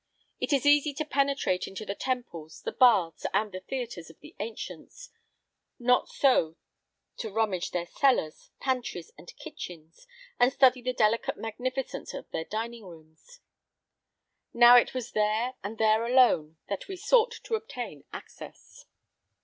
It is easy to penetrate into the temples, the baths, and the theatres of the ancients; not so to rummage their cellars, pantries, and kitchens, and study the delicate magnificence of their dining rooms. Now it was there, and there alone, that we sought to obtain access.